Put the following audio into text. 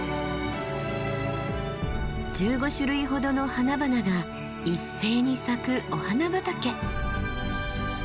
１５種類ほどの花々が一斉に咲くお花畑。